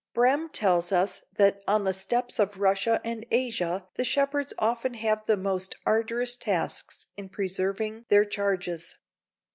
Brehm tells us that "on the steppes of Russia and Asia the shepherds often have the most arduous tasks in preserving their charges.